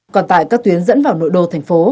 còn tại các tuyến dẫn vào nội đô thành phố